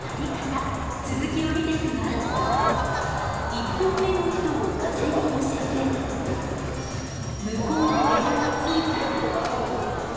１本目の糸を風に乗せて向こうの枝についたら。結構長いですよね。